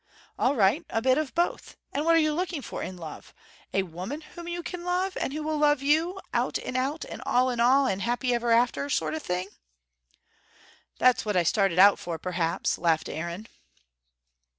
"All right a bit of both. And what are you looking for in love? A woman whom you can love, and who will love you, out and out and all in all and happy ever after sort of thing?" "That's what I started out for, perhaps," laughed Aaron.